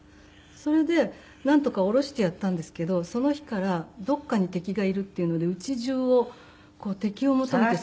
それでなんとか下ろしてやったんですけどその日からどこかに敵がいるっていうので家中を敵を求めて。